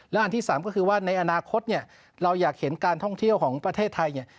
และอันที่๓ก็คือว่าในอนาคตเราอยากเห็นการท่องเที่ยวของประเทศไทย